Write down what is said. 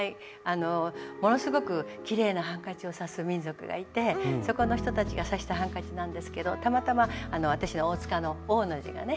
ものすごくきれいなハンカチを刺す民族がいてそこの人たちが刺したハンカチなんですけどたまたま私の「大塚」の「Ｏ」の字がね